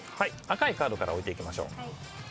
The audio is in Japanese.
赤いカードから置いていきましょう。